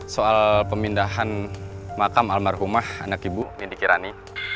soal pemindahan makam almarhumah anak ibu nidiki rani